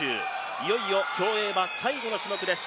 いよいよ競泳は最後の種目です。